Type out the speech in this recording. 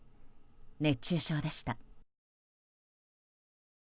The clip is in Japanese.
熱中症でした。